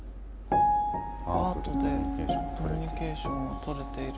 「“アート”というコミュニケーションはとれている」。